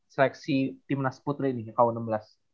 seleksi tim nas putri ini kawang enam belas